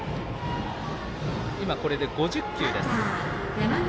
今これで５０球です。